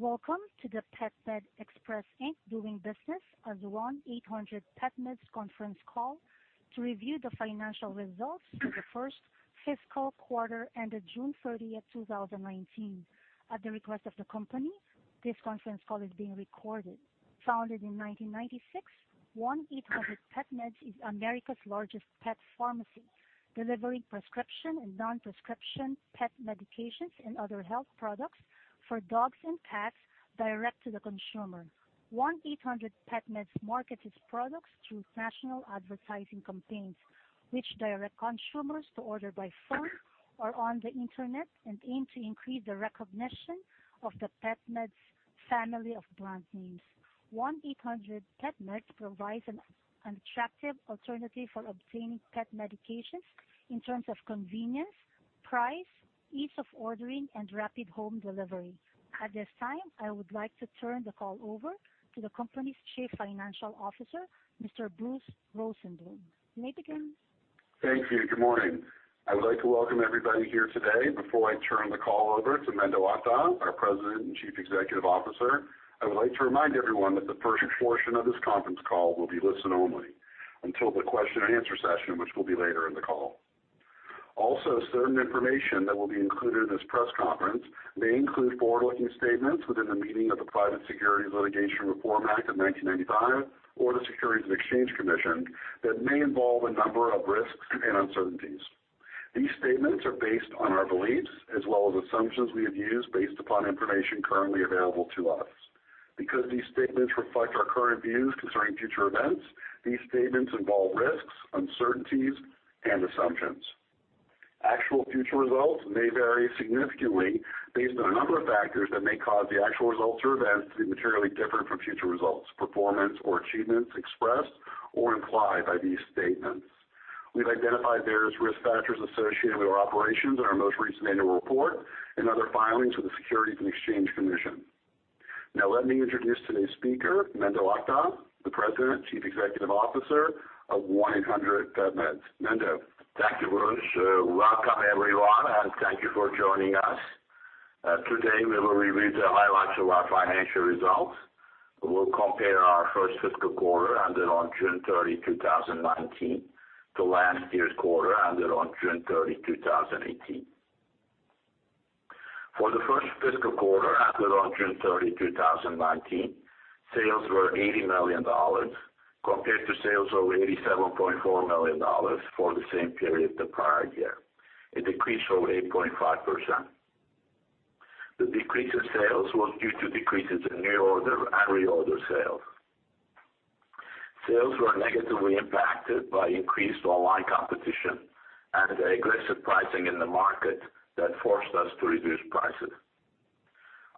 Welcome to the PetMed Express, Inc., doing business as 1-800-PetMeds conference call to review the financial results for the first fiscal quarter ended June 30th, 2019. At the request of the company, this conference call is being recorded. Founded in 1996, 1-800-PetMeds is America's largest pet pharmacy, delivering prescription and non-prescription pet medications and other health products for dogs and cats direct to the consumer. 1-800-PetMeds markets its products through national advertising campaigns, which direct consumers to order by phone or on the internet and aim to increase the recognition of the PetMeds family of brand names. 1-800-PetMeds provides an attractive alternative for obtaining pet medications in terms of convenience, price, ease of ordering, and rapid home delivery. At this time, I would like to turn the call over to the company's Chief Financial Officer, Mr. Bruce Rosenbloom. You may begin. Thank you. Good morning. I would like to welcome everybody here today. Before I turn the call over to Mendo Akdag, our President and Chief Executive Officer, I would like to remind everyone that the first portion of this conference call will be listen only until the question and answer session, which will be later in the call. Certain information that will be included in this press conference may include forward-looking statements within the meaning of the Private Securities Litigation Reform Act of 1995 or the Securities and Exchange Commission that may involve a number of risks and uncertainties. These statements are based on our beliefs as well as assumptions we have used based upon information currently available to us. These statements reflect our current views concerning future events, these statements involve risks, uncertainties, and assumptions. Actual future results may vary significantly based on a number of factors that may cause the actual results or events to be materially different from future results, performance, or achievements expressed or implied by these statements. We've identified various risk factors associated with our operations in our most recent annual report and other filings with the Securities and Exchange Commission. Let me introduce today's speaker, Mendo Akdag, the President and Chief Executive Officer of 1-800-PetMeds. Mendo. Thank you, Bruce. Welcome, everyone, and thank you for joining us. Today, we will review the highlights of our financial results. We'll compare our first fiscal quarter ended on June 30, 2019 to last year's quarter ended on June 30, 2018. For the first fiscal quarter ended on June 30, 2019, sales were $80 million compared to sales of $87.4 million for the same period the prior year, a decrease of 8.5%. The decrease in sales was due to decreases in new order and reorder sales. Sales were negatively impacted by increased online competition and aggressive pricing in the market that forced us to reduce prices.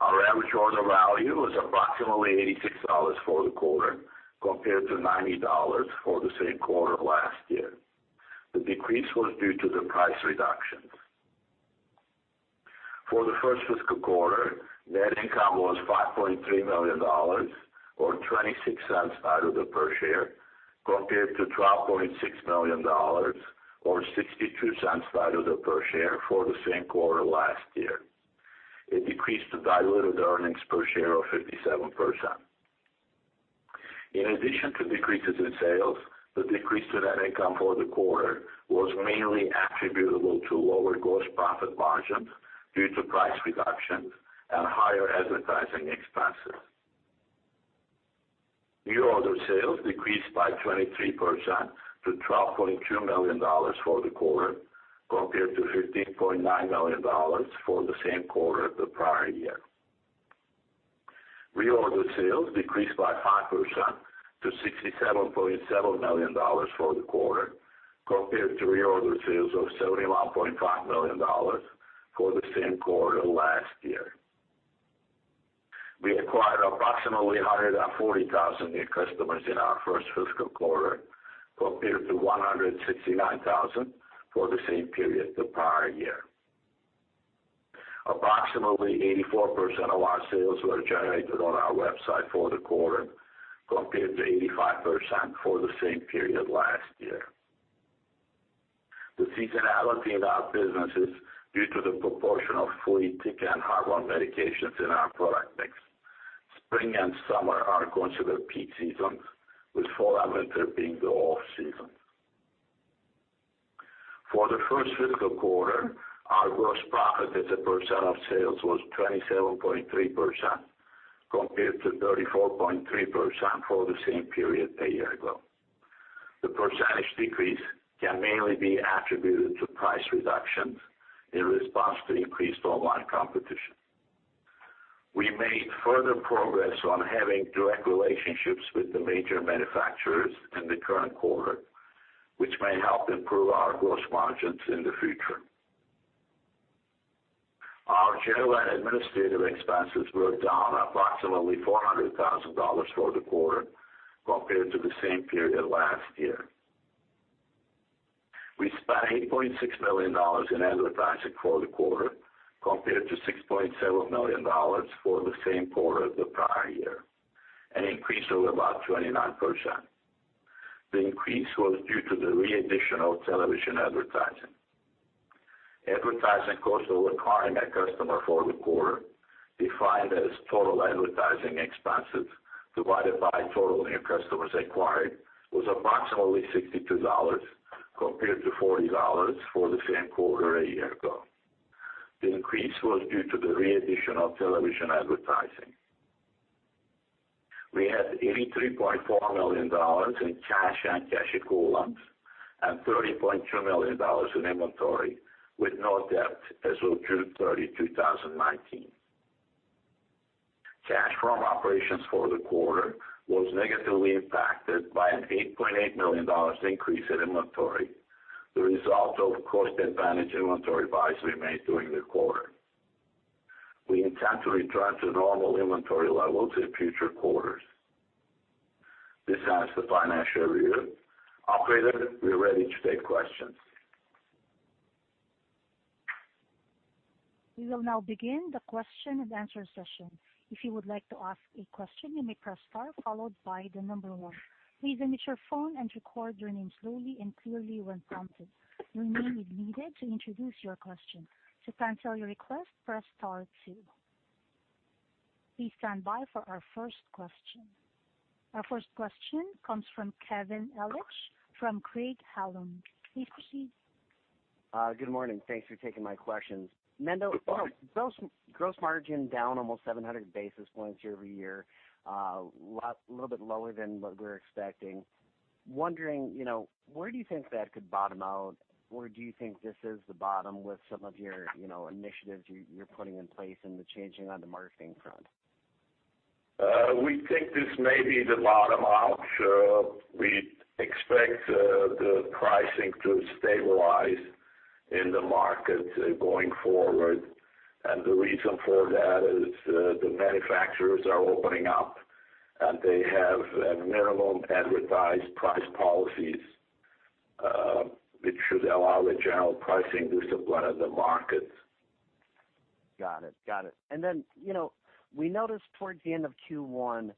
Our average order value was approximately $86 for the quarter, compared to $90 for the same quarter last year. The decrease was due to the price reductions. For the first fiscal quarter, net income was $5.3 million, or $0.26 diluted per share, compared to $12.6 million or $0.62 diluted per share for the same quarter last year. A decrease to diluted earnings per share of 57%. In addition to decreases in sales, the decrease to net income for the quarter was mainly attributable to lower gross profit margins due to price reductions and higher advertising expenses. New order sales decreased by 23% to $12.2 million for the quarter, compared to $15.9 million for the same quarter the prior year. Reorder sales decreased by 5% to $67.7 million for the quarter, compared to reorder sales of $71.5 million for the same quarter last year. We acquired approximately 140,000 new customers in our first fiscal quarter, compared to 169,000 for the same period the prior year. Approximately 84% of our sales were generated on our website for the quarter, compared to 85% for the same period last year. The seasonality in our business is due to the proportion of flea, tick, and heartworm medications in our product mix. Spring and summer are considered peak seasons, with fall and winter being the off-season. For the first fiscal quarter, our gross profit as a percent of sales was 27.3%, compared to 34.3% for the same period a year ago. The percentage decrease can mainly be attributed to price reductions in response to increased online competition. We made further progress on having direct relationships with the major manufacturers in the current quarter, which may help improve our gross margins in the future. Our general and administrative expenses were down approximately $400,000 for the quarter compared to the same period last year. We spent $8.6 million in advertising for the quarter compared to $6.7 million for the same quarter the prior year, an increase of about 29%. The increase was due to the re-addition of television advertising. Advertising cost of acquiring a customer for the quarter, defined as total advertising expenses divided by total new customers acquired, was approximately $62, compared to $40 for the same quarter a year ago. The increase was due to the re-addition of television advertising. We had $83.4 million in cash and cash equivalents and $30.2 million in inventory, with no debt as of June 30, 2019. Cash from operations for the quarter was negatively impacted by an $8.8 million increase in inventory, the result of cost advantage inventory buys we made during the quarter. We intend to return to normal inventory levels in future quarters. This ends the financial review. Operator, we are ready to take questions. We will now begin the question and answer session. If you would like to ask a question, you may press star followed by the number one. Please unmute your phone and record your name slowly and clearly when prompted. Your name is needed to introduce your question. To cancel your request, press star two. Please stand by for our first question. Our first question comes from Kevin Ellich from Craig-Hallum. Please proceed. Good morning. Thanks for taking my questions. Of course. Mendo, gross margin down almost 700 basis points year-over-year. A little bit lower than what we were expecting. Wondering, where do you think that could bottom out? Or do you think this is the bottom with some of your initiatives you're putting in place and the changing on the marketing front? We think this may be the bottom out. We expect the pricing to stabilize in the market going forward. The reason for that is the manufacturers are opening up, and they have minimum advertised price policies, which should allow the general pricing boost of one of the markets. Got it. We noticed towards the end of Q1,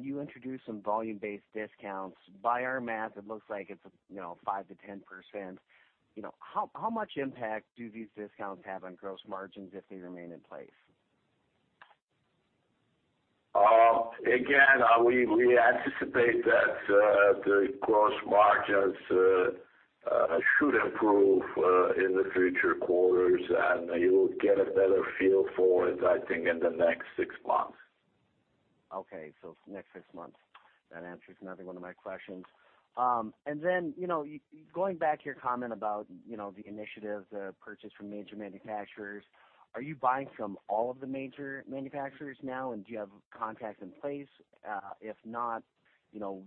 you introduced some volume-based discounts. By our math, it looks like it's 5%-10%. How much impact do these discounts have on gross margins if they remain in place? Again, we anticipate that the gross margins should improve in the future quarters, and you will get a better feel for it, I think, in the next six months. Okay. Next six months. That answers another one of my questions. Going back to your comment about the initiatives, purchase from major manufacturers. Are you buying from all of the major manufacturers now, and do you have contracts in place? If not,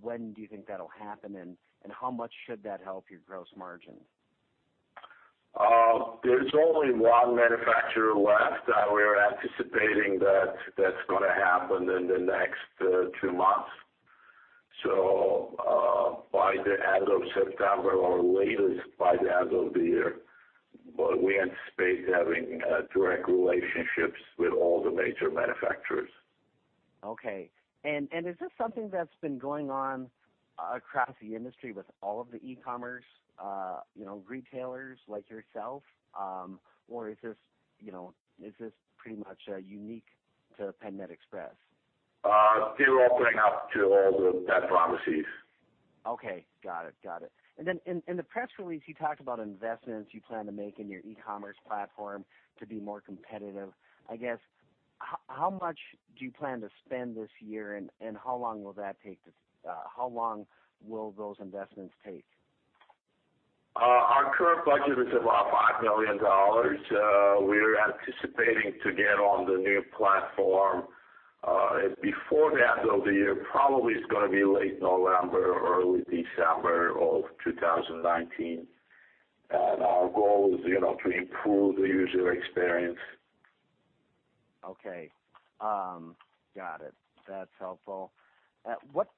when do you think that'll happen, and how much should that help your gross margin? There's only one manufacturer left. We're anticipating that that's going to happen in the next two months. By the end of September, or latest by the end of the year, we anticipate having direct relationships with all the major manufacturers. Okay. Is this something that's been going on across the industry with all of the e-commerce retailers like yourself? Or is this pretty much unique to PetMed Express? They're opening up to all of that process. Okay. Got it. In the press release, you talked about investments you plan to make in your e-commerce platform to be more competitive. I guess, how much do you plan to spend this year, and how long will those investments take? Our current budget is about $5 million. We are anticipating to get on the new platform before the end of the year. Probably, it's going to be late November or early December of 2019. Our goal is to improve the user experience. Okay. Got it. That's helpful.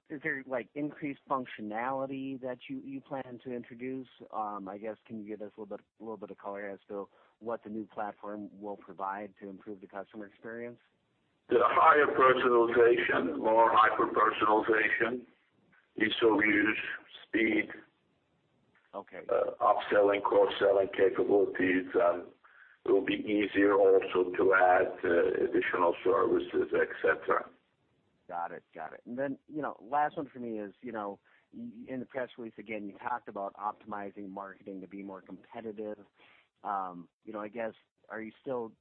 Is there increased functionality that you plan to introduce? I guess, can you give us a little bit of color as to what the new platform will provide to improve the customer experience? The higher personalization or hyper-personalization. Easier to use, speed- Okay upselling, cross-selling capabilities. It will be easier also to add additional services, et cetera. Got it. Last one for me is, in the press release, again, you talked about optimizing marketing to be more competitive. I guess, are you still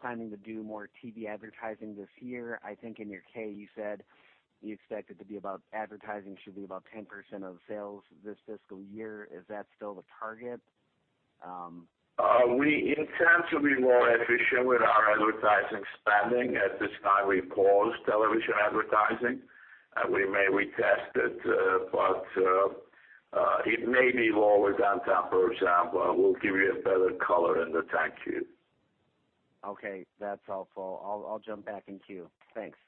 planning to do more TV advertising this year? I think in your K, you said you expect advertising should be about 10% of sales this fiscal year. Is that still the target? We intend to be more efficient with our advertising spending. At this time, we paused television advertising. We may retest it, but it may be lower than that. For example, we'll give you a better color in the 10-Q. Okay. That's helpful. I'll jump back in queue. Thanks.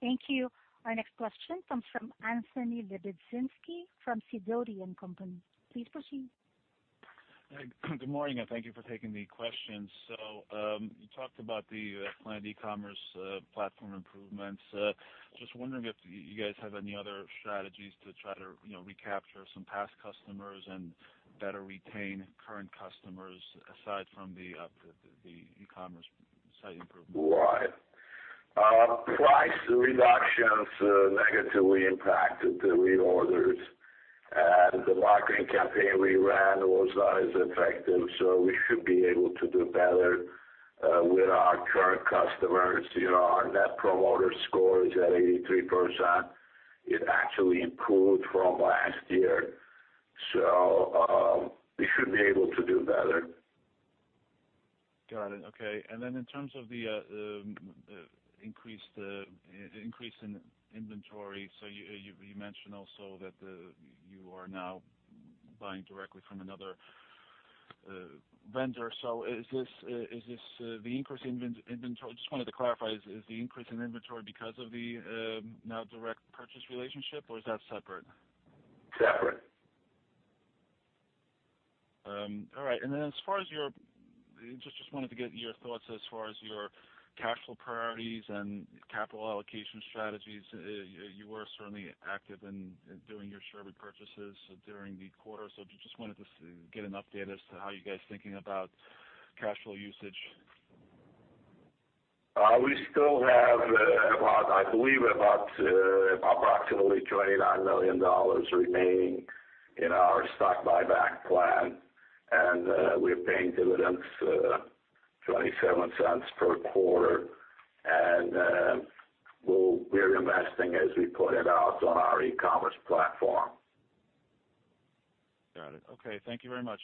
Thank you. Our next question comes from Anthony Lebiedzinski from Sidoti & Company. Please proceed. Good morning, and thank you for taking the questions. You talked about the planned e-commerce platform improvements. Just wondering if you guys have any other strategies to try to recapture some past customers and better retain current customers aside from the e-commerce? Right. Price reductions negatively impacted the reorders. The marketing campaign we ran was not as effective. We should be able to do better with our current customers. Our Net Promoter Score is at 83%. It actually improved from last year. We should be able to do better. Got it. Okay. In terms of the increase in inventory, you mentioned also that you are now buying directly from another vendor. I just wanted to clarify, is the increase in inventory because of the now direct purchase relationship, or is that separate? Separate. All right. Just wanted to get your thoughts as far as your cash flow priorities and capital allocation strategies. You were certainly active in doing your share repurchase during the quarter. Just wanted to get an update as to how you guys are thinking about cash flow usage. We still have, I believe, approximately $29 million remaining in our stock buyback plan, and we're paying dividends, $0.27 per quarter. We're investing, as we pointed out, on our e-commerce platform. Got it. Okay. Thank you very much.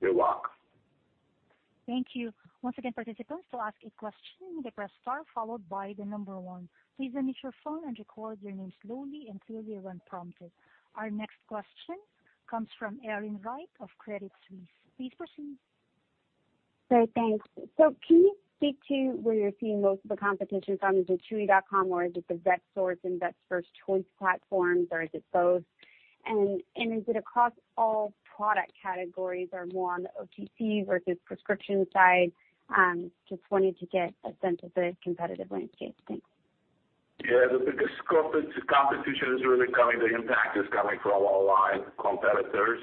You're welcome. Thank you. Once again, participants, to ask a question, you may press star followed by the number one. Please unmute your phone and record your name slowly and clearly when prompted. Our next question comes from Erin Wright of Credit Suisse. Please proceed. Thanks. Can you speak to where you're seeing most of the competition from, is it Chewy.com, or is it the Vetsource and Vets First Choice platforms, or is it both? Is it across all product categories or more on the OTC versus prescription side? Just wanted to get a sense of the competitive landscape. Thanks. Yeah. The biggest competition is really coming, the impact is coming from online competitors,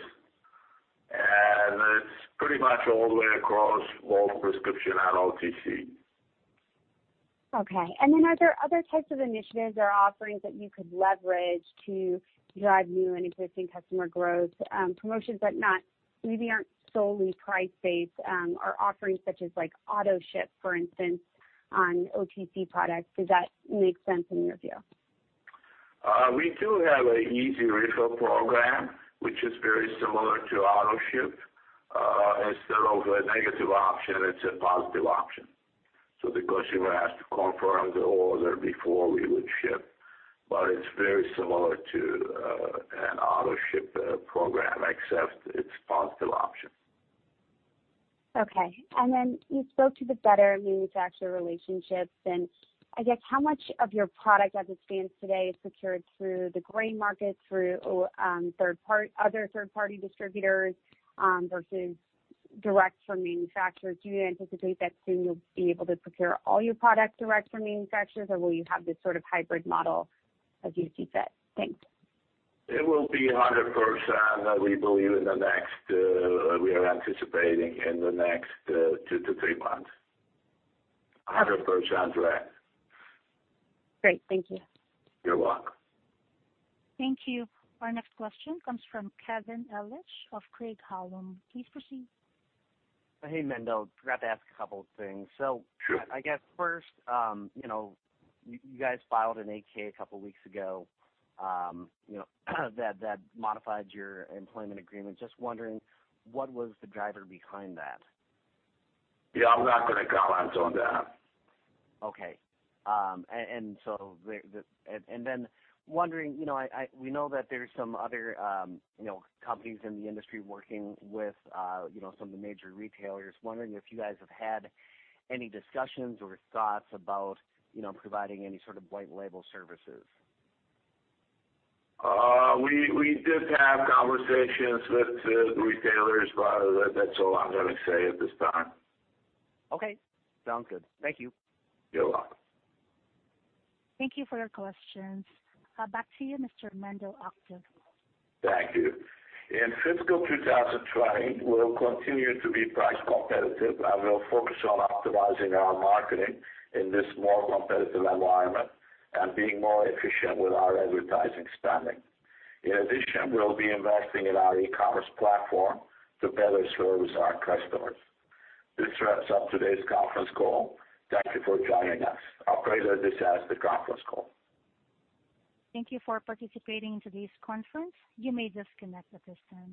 it's pretty much all the way across both prescription and OTC. Okay. Are there other types of initiatives or offerings that you could leverage to drive new and existing customer growth, promotions that maybe aren't solely price-based, or offerings such as AutoShip, for instance, on OTC products? Does that make sense in your view? We do have an Easy Refill program, which is very similar to AutoShip. Instead of a negative option, it's a positive option. The customer has to confirm the order before we would ship. It's very similar to an AutoShip program, except it's a positive option. Okay. Then you spoke to the better manufacturer relationships, and I guess how much of your product as it stands today is procured through the gray market, through other third-party distributors, versus direct from manufacturers? Do you anticipate that soon you'll be able to procure all your product direct from manufacturers, or will you have this sort of hybrid model as you see fit? Thanks. It will be 100%, we believe, we are anticipating in the next two to three months. 100% direct. Great. Thank you. You're welcome. Thank you. Our next question comes from Kevin Ellich of Craig-Hallum. Please proceed. Hey, Mendo. Forgot to ask a couple of things. Sure. I guess first, you guys filed an 8-K a couple of weeks ago, that modified your employment agreement. Just wondering, what was the driver behind that? Yeah, I'm not going to comment on that. Okay. Wondering, we know that there are some other companies in the industry working with some of the major retailers. Wondering if you guys have had any discussions or thoughts about providing any sort of white label services. We did have conversations with the retailers, but that's all I'm going to say at this time. Okay. Sounds good. Thank you. You're welcome. Thank you for your questions. Back to you, Mr. Mendo Akdag. Thank you. In fiscal 2020, we'll continue to be price competitive, and we'll focus on optimizing our marketing in this more competitive environment and being more efficient with our advertising spending. In addition, we'll be investing in our e-commerce platform to better service our customers. This wraps up today's conference call. Thank you for joining us. Operator, this ends the conference call. Thank you for participating in today's conference. You may disconnect at this time.